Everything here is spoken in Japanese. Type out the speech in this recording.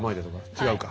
違うか。